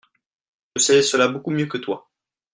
Je sais cela beaucoup mieux que toi.